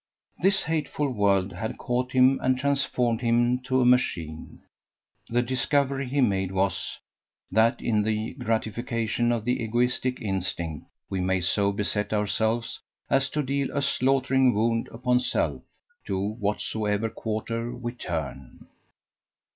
This hateful world had caught him and transformed him to a machine. The discovery he made was, that in the gratification of the egoistic instinct we may so beset ourselves as to deal a slaughtering wound upon Self to whatsoever quarter we turn.